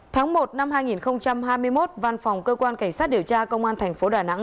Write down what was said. tháng một năm hai nghìn hai mươi một văn phòng cơ quan cảnh sát điều tra công an thành phố đà nẵng